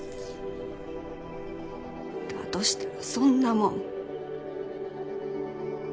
だとしたらそんなもん。